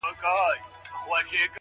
• که ټوله ژوند په تنهايۍ کي تېر کړم؛